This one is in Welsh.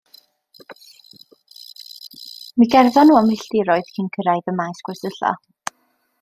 Mi gerddon nhw am filltiroedd cyn cyrraedd y maes gwersylla.